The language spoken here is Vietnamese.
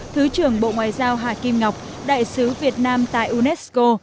thứ trưởng bộ ngoại giao hà kim ngọc đại sứ việt nam tại unesco